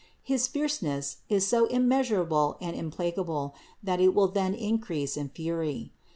His fierceness is so immeasurable and implacable that it will then increase in fury.